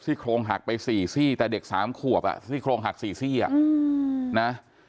โครงหักไป๔ซี่แต่เด็ก๓ขวบซี่โครงหัก๔ซี่อ่ะนะ